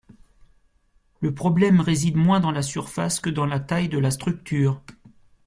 Le problème réside moins dans la surface que dans la taille de la structure.